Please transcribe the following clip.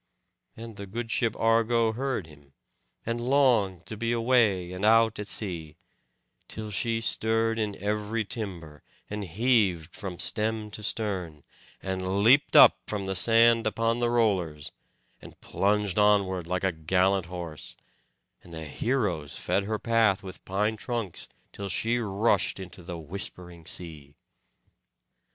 And the good ship Argo heard him, and longed to be away and out at sea; till she stirred in every timber, and heaved from stem to stern, and leapt up from the sand upon the rollers, and plunged onward like a gallant horse; and the heroes fed her path with pine trunks, till she rushed into the whispering sea.